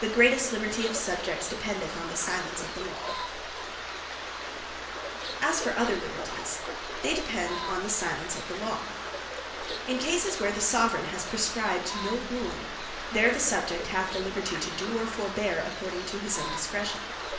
The Greatest Liberty Of Subjects, Dependeth On The Silence Of The Law As for other Lyberties, they depend on the silence of the Law. In cases where the Soveraign has prescribed no rule, there the Subject hath the liberty to do, or forbeare, according to his own discretion.